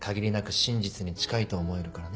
真実に近いと思えるからね。